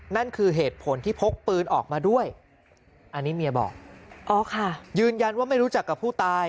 นั่นคือเหตุผลที่พกปืนออกมาด้วยอันนี้เมียบอกอ๋อค่ะยืนยันว่าไม่รู้จักกับผู้ตาย